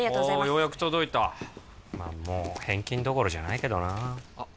ようやく届いたまあもう返金どころじゃないけどなあっ